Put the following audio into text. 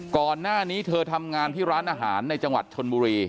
ก่อนหน้านี้เธอทำงานที่ร้านอาหารในจังหวัดชนบุรี